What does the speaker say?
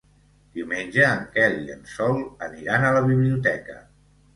Diumenge en Quel i en Sol aniran a la biblioteca.